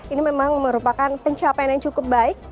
ini memang merupakan pencapaian yang cukup baik